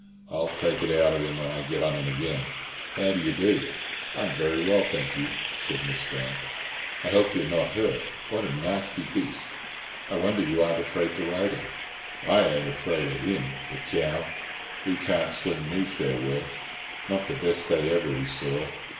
I'll take it out of him when I get on him again. How d' you do?" "I'm very well, thank you," said Miss Grant. "I hope you are not hurt. What a nasty beast! I wonder you aren't afraid to ride him." "I ain't afraid of him, the cow! He can't sling me fair work, not the best day ever he saw.